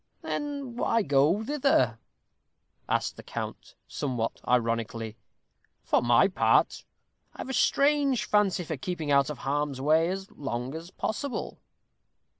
"Then why go thither?" asked the count, somewhat ironically; "for my part, I've a strange fancy for keeping out of harm's way as long as possible."